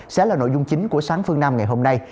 sẽ là nội dung chính của sáng phương nam ngày hôm nay